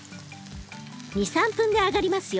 ２３分で揚がりますよ。